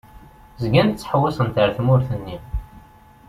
Zgant ttḥewwisent ar tmurt-nni.